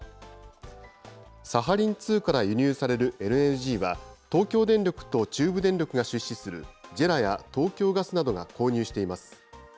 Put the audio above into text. サハリン２から輸入されるＬＮＧは、東京電力と中部電力が出資するＪＥＲＡや東京ガスなどが購入しています。